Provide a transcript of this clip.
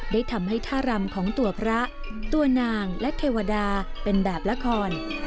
ได้ทำให้ท่ารำของตัวพระตัวนางและเทวดาเป็นแบบละคร